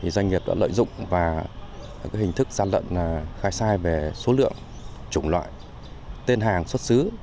doanh nghiệp đã lợi dụng và hình thức gian lận khai sai về số lượng chủng loại tên hàng xuất xứ